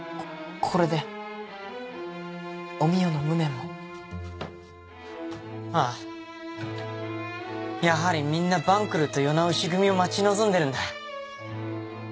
これでお美代の無念もああやはりみんな晩来と世直し組を待ち望んでるんだ